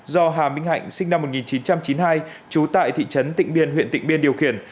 do hà minh hạnh sinh năm một nghìn chín trăm chín mươi hai trú tại thị trấn tịnh biên huyện tịnh biên điều khiển